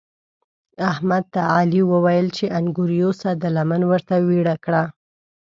احمد ته علي وويل چې انګور یوسه؛ ده لمن ورته ويړه کړه.